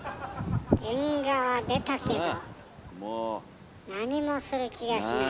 縁側出たけど何もする気がしない。